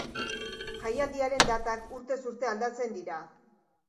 Jaialdiaren datak urtez urte aldatzen dira.